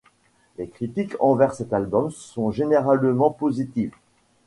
Les critiques envers cet album sont généralement positives.